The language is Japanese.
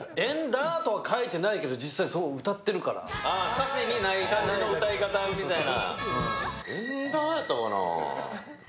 歌詞にない感じの歌い方みたいな。